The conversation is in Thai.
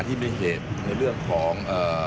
ที่มีเหตุในเรื่องของ